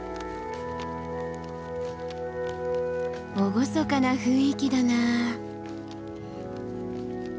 厳かな雰囲気だなあ。